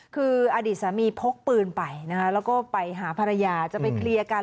คืออดีตสามีพกปืนไปนะคะแล้วก็ไปหาภรรยาจะไปเคลียร์กัน